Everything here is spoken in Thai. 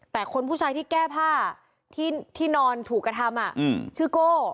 แต่คนผู้ชายที่แก้ผ้าที่นอนถูกกระทำชื่อโก้